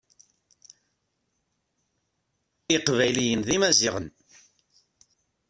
Iqbayliyen d imaziɣen.